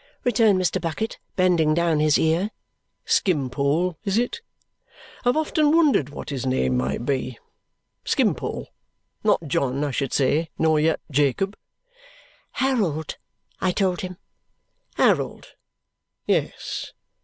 returned Mr. Bucket, bending down his ear. "Skimpole, is it? I've often wondered what his name might be. Skimpole. Not John, I should say, nor yet Jacob?" "Harold," I told him. "Harold. Yes.